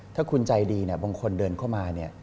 ถ้าคุณใจดีบางคนเดินเข้ามา